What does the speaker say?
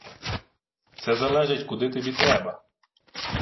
"Це залежить куди тобі треба".